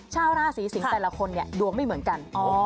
ชาวราศีสิงศ์แต่ละคนเนี่ยดวงไม่เหมือนกัน